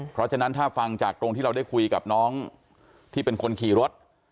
เพราะฉะนั้นถ้าฟังจากตรงที่เราได้คุยกับน้องที่เป็นคนขี่รถ